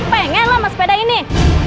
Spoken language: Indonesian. pengen lah sama sepeda ini